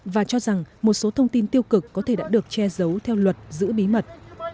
và cho rằng một số thông tin tiêu cực có thể đã được che giấu theo luật giữ bí mật